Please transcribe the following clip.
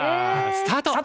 スタート！